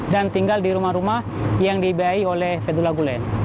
dan tinggal di rumah rumah yang diibayai oleh fethullah gulen